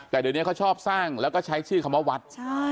แต่เดี๋ยวนี้เขาชอบสร้างแล้วก็ใช้ชื่อคำว่าวัด